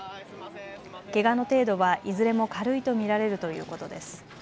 けがの程度はいずれも軽いと見られるということです。